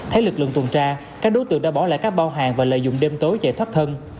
thấy lực lượng tuần tra các đối tượng đã bỏ lại các bao hàng và lợi dụng đêm tối chạy thoát thân